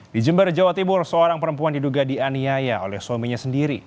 di jember jawa timur seorang perempuan diduga dianiaya oleh suaminya sendiri